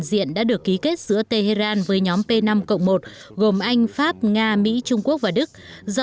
diện đã được ký kết giữa tehran với nhóm p năm một gồm anh pháp nga mỹ trung quốc và đức do